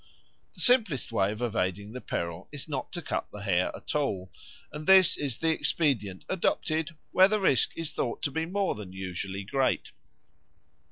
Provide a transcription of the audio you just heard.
The simplest way of evading the peril is not to cut the hair at all; and this is the expedient adopted where the risk is thought to be more than usually great.